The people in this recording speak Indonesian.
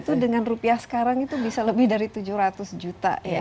itu dengan rupiah sekarang itu bisa lebih dari tujuh ratus juta ya